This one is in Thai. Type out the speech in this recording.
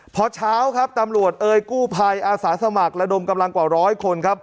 พอเช้าครับตำรวจเอ่ยกู้ภัยอาสาสมัครระดมกำลังกว่าร้อยคนครับ